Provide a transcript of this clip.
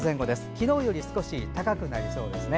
昨日より少し高くなりそうですね。